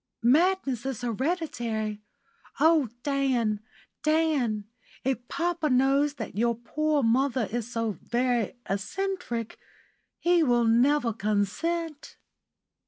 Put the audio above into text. "Madness is hereditary. Oh, Dan, Dan, if papa knows that your poor mother is so very eccentric, he will never consent."